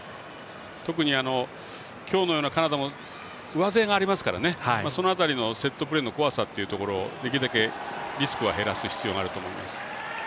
特に、今日のようなカナダ上背がありますからその辺りのセットプレーの怖さっていうところできるだけリスクは減らす必要があります。